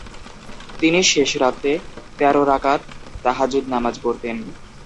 তিনি শেষ রাতে তের রাকআত তাহাজ্জুদ নামায পড়তেন।